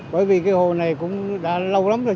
bởi vì cái hồ này cũng đã lâu lắm rồi